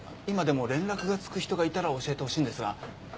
今でも連絡がつく人がいたら教えてほしいんですが。